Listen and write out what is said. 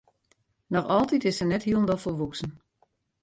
Noch altyd is se net hielendal folwoeksen.